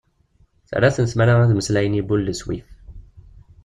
Terra-ten tmara ad mmeslayen i Boule de Suif.